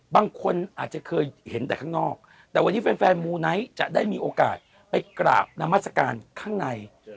บางคนอาจจะเคยเห็นแต่ข้างนอกแต่วันนี้แฟนมูไนท์จะได้มีโอกาสไปกราบนามัศกาลข้างใน